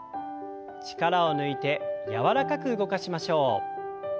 力を抜いて柔らかく動かしましょう。